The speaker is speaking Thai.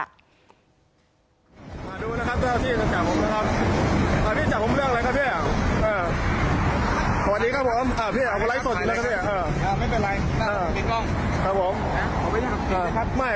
อ่ะไม่คือของธรรมทรายผมแซงกรณีผมแซงอ่ะคุณแซงตรงไหน